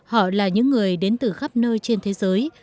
họ là những người đến từ khắp nơi trên thế giới